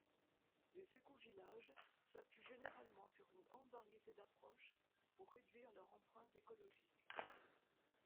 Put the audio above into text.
Les Écovillages s'appuient généralement sur une grande variété d'approches pour réduire leur empreinte écologique.